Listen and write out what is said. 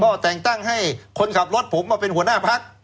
ก็แต่งตั้งให้คนขับรถผมมาเป็นหัวหน้าพัก